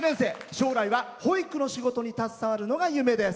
将来は保育の仕事に携わるのが夢です。